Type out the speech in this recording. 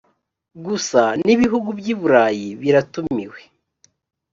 gusa n’ibihugu by’i burayi biratumiwe